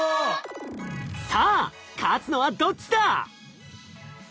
さあ勝つのはどっちだ？